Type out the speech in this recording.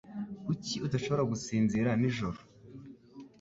Kuki udashobora gusinzira nijoro?